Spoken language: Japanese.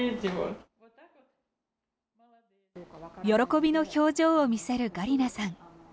喜びの表情を見せるガリナさん。